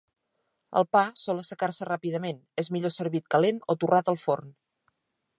El pa sol assecar-se ràpidament, és millor servit calent o torrat al forn.